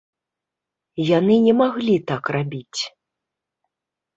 Яны не маглі так рабіць!